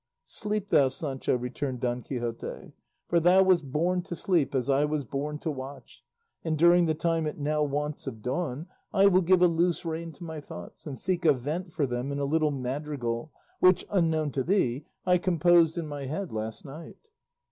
"Sleep thou, Sancho," returned Don Quixote, "for thou wast born to sleep as I was born to watch; and during the time it now wants of dawn I will give a loose rein to my thoughts, and seek a vent for them in a little madrigal which, unknown to thee, I composed in my head last night."